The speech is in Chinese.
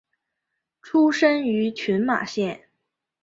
出身于群马县。